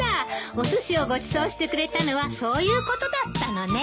おすしをごちそうしてくれたのはそういうことだったのね。